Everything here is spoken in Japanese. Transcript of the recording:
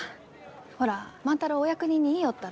ほら万太郎お役人に言いよったろう？